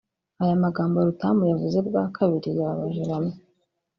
Aya magambo Rutamu yavuze bwa kabiri yababaje bamwe